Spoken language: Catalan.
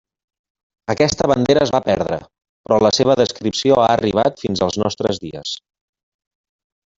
Aquesta bandera es va perdre, però la seva descripció ha arribat fins als nostres dies.